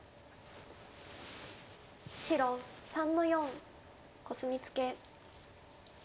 白３の四コスミツケ。